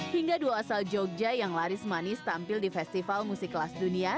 hingga dua asal jogja yang laris manis tampil di festival musik kelas dunia